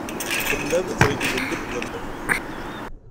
Tellam treggmem medden.